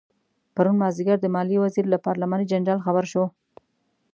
پرون مازدیګر د مالیې وزیر له پارلماني جنجال خبر شو.